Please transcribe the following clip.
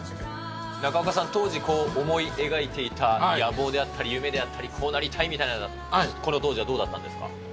中岡さん、当時思い描いていた野望であったり、夢であったり、こうなりたいみたいな、この当時はどうだったんですか。